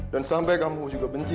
dan sampai kamu juga benci